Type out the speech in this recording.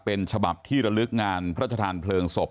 เป็นฉบับที่ระลึกงานพระชธานเพลิงศพ